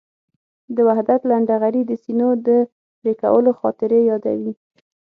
د وحدت لنډهغري د سینو د پرېکولو خاطرې یادوي.